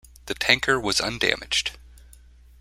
The tanker was undamaged.